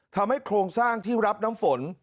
ทำให้โครงสร้างที่รับน้ำฝน